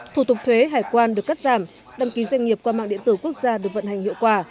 thủ tục thuế hải quan được cắt giảm đăng ký doanh nghiệp qua mạng điện tử quốc gia được vận hành hiệu quả